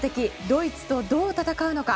ドイツとどう戦うのか。